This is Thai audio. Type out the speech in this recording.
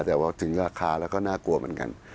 แต่ว่าถึงราคาแล้วก็น่ากลัวเหมือนกัน